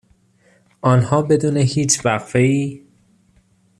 آنها بدون هیچ وقفهای